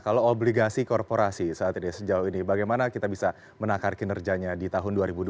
kalau obligasi korporasi saat ini sejauh ini bagaimana kita bisa menakar kinerjanya di tahun dua ribu dua puluh